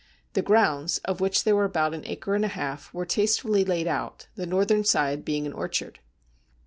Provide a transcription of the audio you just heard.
The grounds, of which there were about an acre and a half, were tastefully laid out, the northern side being an orchard.